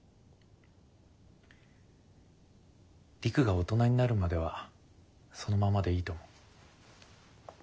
璃久が大人になるまではそのままでいいと思う。